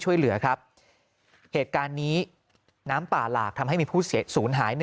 ช่วยเหลือครับเหตุการณ์นี้น้ำป่าหลากทำให้มีผู้สูญหาย๑